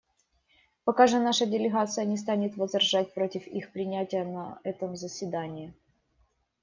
Пока же наша делегация не станет возражать против их принятия на этом заседании.